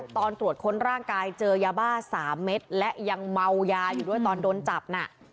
ตอนตรวจค้นร่างกายเจอยาบ้า๓เม็ดและยังเมายาอยู่ด้วยตอนโดนจับน่ะ